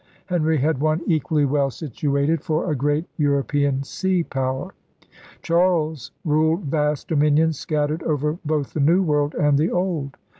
Henry had one equally well situated for a great European sea power. Charles ruled vast dominions scattered over both the New World and the Old.